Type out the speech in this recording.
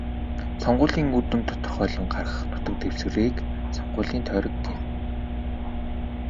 Сонгуулийн үр дүнг тодорхойлон гаргах нутаг дэвсгэрийг сонгуулийн тойрог гэнэ.